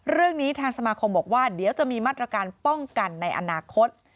เรื่องนี้ทางสมาคมบอกว่าเดี๋ยวจะมีมาตรการป้องกันในอนาคต